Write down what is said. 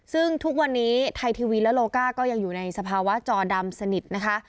ซึ่งทุกวันนี้ไทยทีวีและโลก้าก็ยังอยู่ในสภาวะจอดำสนิทนะคะ